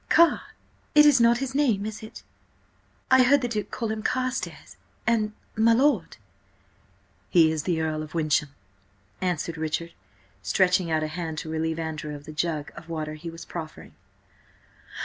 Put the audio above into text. "Carr. It is not his name, is it? I heard the Duke call him Carstares–and–my lord." "He is the Earl of Wyncham," answered Richard, stretching out a hand to relieve Andrew of the jug of water he was proffering.